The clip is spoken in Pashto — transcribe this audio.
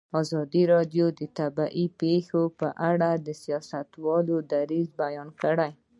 ازادي راډیو د طبیعي پېښې په اړه د سیاستوالو دریځ بیان کړی.